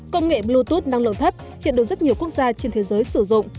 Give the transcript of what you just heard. công nghệ bluetooth năng lượng thấp hiện được rất nhiều quốc gia trên thế giới sử dụng